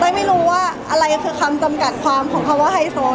ไม่รู้ว่าอะไรคือคำจำกัดความของคำว่าไฮโซ